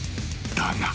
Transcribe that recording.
［だが］